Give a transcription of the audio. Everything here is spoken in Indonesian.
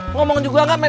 ngomong juga gak men